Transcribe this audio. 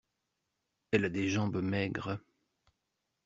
Elle a des jambes maigres.